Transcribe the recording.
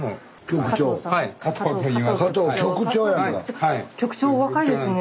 局長お若いですね。